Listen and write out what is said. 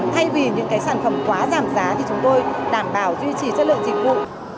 thay vì những cái sản phẩm quá giảm giá thì chúng tôi đảm bảo duy trì chất lượng dịch vụ